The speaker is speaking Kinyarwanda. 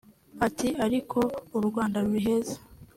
ati ariko “u Rwanda ruri heza